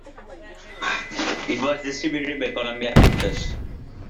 It was distributed by Columbia Pictures.